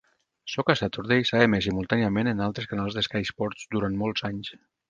Soccer Saturday s'ha emès simultàniament en altres canals de Sky Sports durant molts anys.